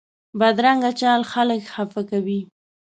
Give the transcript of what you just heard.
بدرنګه چال خلک خفه کوي